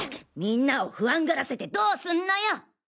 みんなを不安がらせてどすんのよ！